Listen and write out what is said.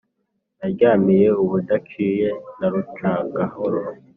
Naryamiye ubudaciye na Rucagaharo.